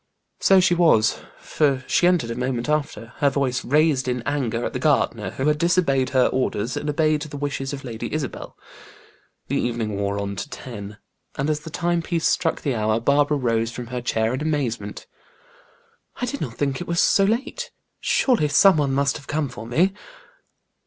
So she was, for she entered a moment after, her voice raised in anger at the gardener, who had disobeyed her orders, and obeyed the wishes of Lady Isabel. The evening wore on to ten, and as the time piece struck the hour, Barbara rose from her chair in amazement. "I did not think it was so late. Surely some one must have come for me."